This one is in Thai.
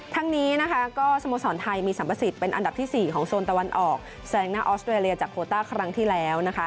ทั้งนี้นะคะก็สโมสรไทยมีสรรพสิทธิ์เป็นอันดับที่๔ของโซนตะวันออกแซงหน้าออสเตรเลียจากโคต้าครั้งที่แล้วนะคะ